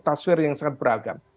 tasver yang sangat beragam